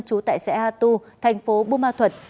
chú tại xã hà tu thành phố bumma thuật